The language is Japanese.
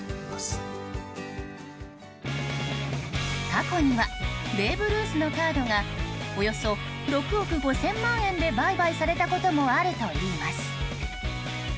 過去にはベーブ・ルースのカードがおよそ６億５０００万円で売買されたこともあるといいます。